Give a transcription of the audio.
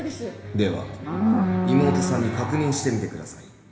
では妹さんに確認してみてください。